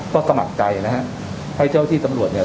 ก็สมัครใจนะฮะให้เจ้าที่ตำรวจเนี่ย